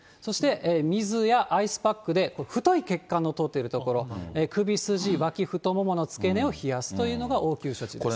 そして水やアイスパックで太い血管の通っているところ、首筋、脇、太ももの付け根を冷やすというのが応急処置です。